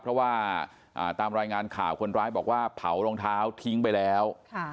เพราะว่าตามรายงานข่าวคนร้ายบอกว่าเผารองเท้าทิ้งไปแล้ว